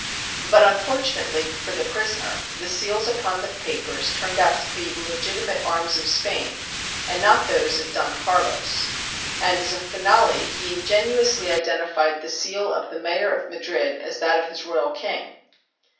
But, unfortunately for the prisoner, the seals upon the papers turned out to be the legitimate arms of Spain and not those of Don Carlos, and as a finale he ingenuously identified the seal of the Mayor of Madrid as that of his "Royal King."